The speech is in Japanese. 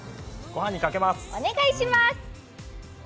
お願いします！